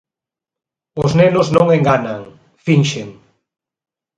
Os nenos non enganan, finxen.